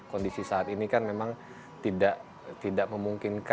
kondisi saat ini kan memang tidak memungkinkan